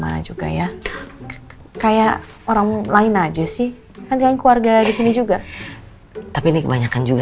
mana juga ya kayak orang lain aja sih agak keluarga di sini juga tapi ini kebanyakan juga